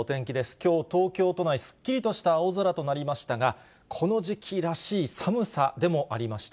きょう、東京都内、すっきりとした青空となりましたが、この時期らしい寒さでもありました。